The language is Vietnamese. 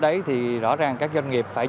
đấy thì rõ ràng các doanh nghiệp phải